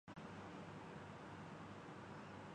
کیا ایک T V channel کسی قانون ضابطے کا پابند نہیں؟